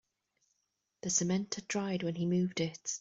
The cement had dried when he moved it.